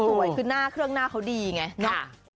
สวยคือเครื่องหน้าเขาดีไง